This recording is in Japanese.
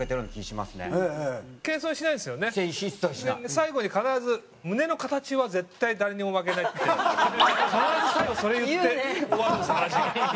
最後に必ず「胸の形は絶対誰にも負けない」って必ず最後それ言って終わるんですよ話が。